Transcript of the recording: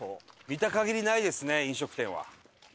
見た限りないですね飲食店は。